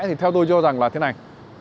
thì theo tôi cho rằng là thế này